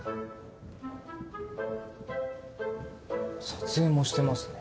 撮影もしてますね。